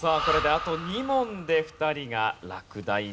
これであと２問で２人が落第。